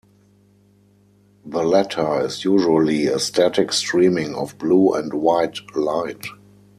The latter is usually a static streaming of blue and white light.